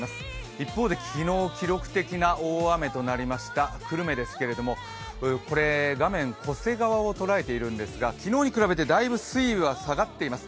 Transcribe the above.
一方で昨日、記録的な大雨となりました久留米ですけれども画面、巨瀬川を捉えているんですが昨日に比べてだいぶ水位は下がっています。